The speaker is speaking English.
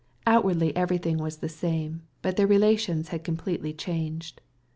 Outwardly everything was the same, but their inner relations were completely changed.